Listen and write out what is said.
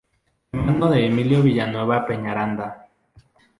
Hermano de Emilio Villanueva Peñaranda.